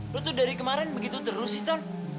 lo tuh dari kemarin begitu terus sih ton